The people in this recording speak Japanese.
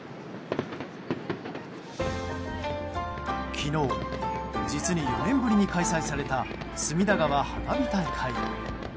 昨日、実に４年ぶりに開催された隅田川花火大会。